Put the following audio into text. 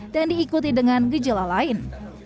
dan diikuti dengan gejala lain